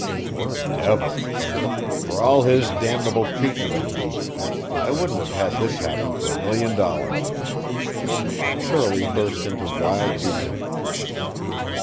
Poor devil! For all his damnable treatment of me, I wouldn't have had this happen for a million dollars." Shirley burst into wild weeping.